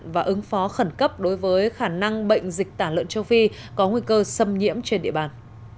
và ứng phó khẩn cấp đối với khả năng bệnh dịch tả lợn châu phi có nguy cơ xâm nhiễm trên địa bàn